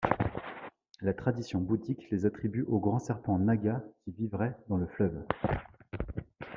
La tradition bouddhique les attribue au grand serpent Nâga qui vivrait dans le fleuve.